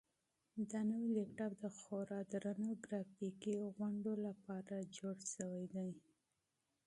دا نوی لپټاپ د خورا درنو ګرافیکي پروګرامونو لپاره ډیزاین شوی دی.